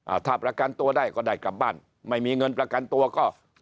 ถ้าประกันตัวได้ก็ได้กลับบ้านไม่มีเงินประกันตัวก็